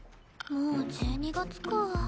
もう１２月か。